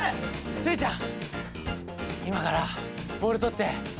スイちゃん